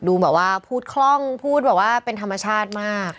ดูแบบว่าพูดคล่องพูดแบบว่าเป็นธรรมชาติมาก